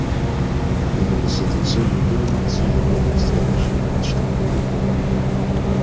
Именно с этой целью мною были инициированы в стране широкомасштабные реформы.